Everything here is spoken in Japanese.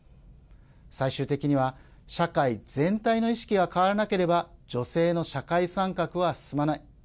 最終的には、社会全体の意識が変わらなければ女性の社会参画は進まない。